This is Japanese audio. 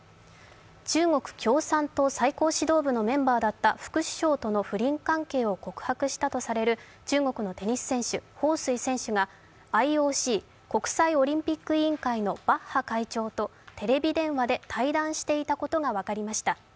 中国共産党最高指導部のメンバーだった副首相との不倫関係を告白したとされる中国のでテニス選手・彭帥選手がＩＯＣ＝国際オリンピック委員会のバッハ会長とテレビ電話で対談していたことが分かりました。